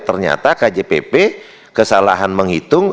ternyata kjpp kesalahan menghitung